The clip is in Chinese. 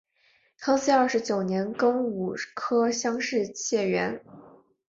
康熙二十九年庚午科乡试解元。